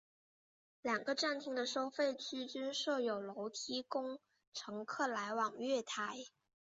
两个站厅的收费区均设有楼梯供乘客来往月台。